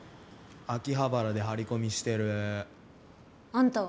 秋葉原で張り込みしてる。あんたは？